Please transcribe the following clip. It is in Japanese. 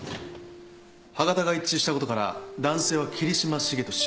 歯型が一致したことから男性は桐島重利。